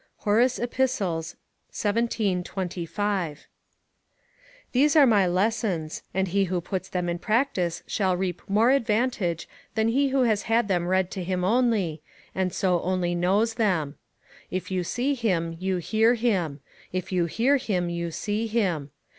Horace Ep., xvii. 25.] These are my lessons, and he who puts them in practice shall reap more advantage than he who has had them read to him only, and so only knows them. If you see him, you hear him; if you hear him, you see him.